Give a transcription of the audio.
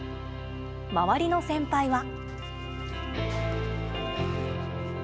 周りの先輩は。